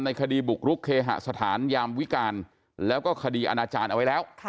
คดีบุกรุกเคหสถานยามวิการแล้วก็คดีอาณาจารย์เอาไว้แล้ว